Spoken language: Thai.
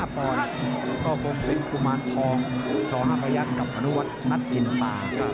๑๐๕ปอนด์ข้อมุมเป็นกุมารทองชฮัพยักษ์กับฝนุวัฒน์นัดกินป่า